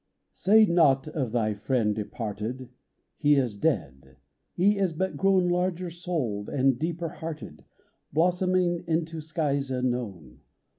SAY not of thy friend departed, "He is dead :" he is but grown Larger souled and deeper hearted, Blossoming into skies unknown.